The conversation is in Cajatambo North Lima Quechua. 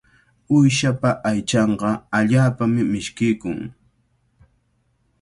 Uyshapa aychanqa allaapami mishkiykun.